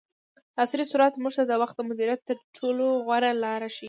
دعصري سورت موږ ته د وخت د مدیریت تر ټولو غوره لار ښیي.